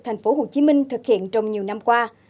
tp hcm thực hiện trong nhiều năm qua